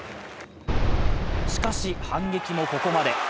しかし、反撃もここまで。